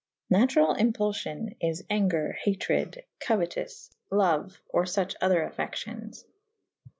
Natural impulfion is angre / hatred / couetyfe / loue / or fuche other affections.